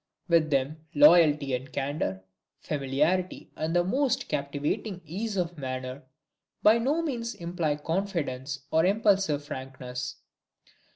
With them, loyalty and candor, familiarity and the most captivating ease of manner, by no means imply confidence, or impulsive frankness.